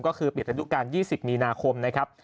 ก็คือปิดระดูการ๒๐มีนาคมนะครับ